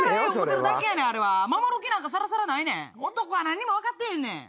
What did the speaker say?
男は何にも分かってへんねん。